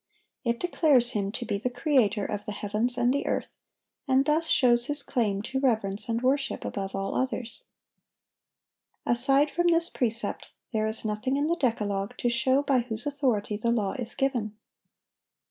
It declares Him to be the Creator of the heavens and the earth, and thus shows His claim to reverence and worship above all others. Aside from this precept, there is nothing in the decalogue to show by whose authority the law is given.